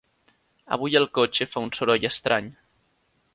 Avui el cotxe fa un soroll estrany.